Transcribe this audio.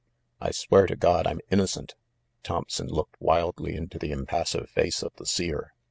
"I swear to God I'm innocent !" Thompson looked wildly into the impassive face of the Seer.